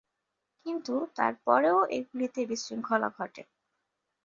কিন্তু তারপরেও এগুলিতে বিশৃঙ্খলা ঘটে।